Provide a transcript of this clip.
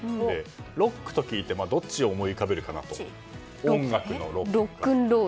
ロックと聞いてどっちを思い浮かべるかなんです。